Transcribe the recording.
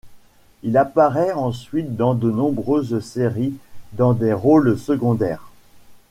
Il apparait ensuite dans de nombreuses séries dans des rôles secondaires.